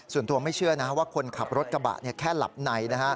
ส่วนตัวไม่เชื่อนะว่าคนขับรถกระบะแค่หลับใน